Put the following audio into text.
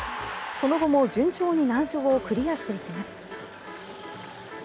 その後も順調に難所をクリアしていきます。